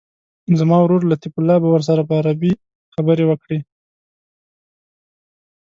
زما ورور لطیف الله به ورسره په عربي خبرې وکړي.